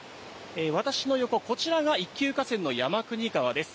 私の横、こちらが一級河川の山国川です。